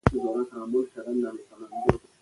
که نیت پاک وي نو منزل آسانه دی.